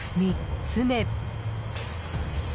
３つ目。